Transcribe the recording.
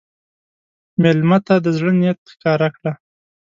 مېلمه ته د زړه نیت ښکاره کړه.